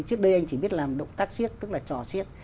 trước đây anh chỉ biết làm động tác siếc tức là trò siếc